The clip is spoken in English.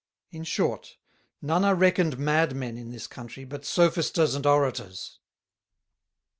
In short, none are reckoned Madmen in this Country, but Sophisters and Orators."